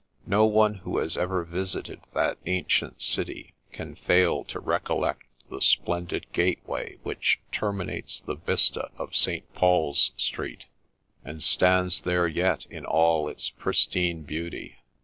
No one who has ever visited that ancient city can fail to recollect the splendid gateway which terminates the vista of St. Paul's Street, and stands there yet in all its pristine beauty.